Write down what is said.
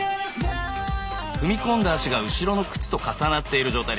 踏み込んだ足が後ろの靴と重なっている状態です。